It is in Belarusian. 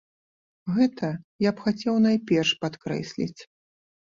Гэта я б хацеў найперш падкрэсліць.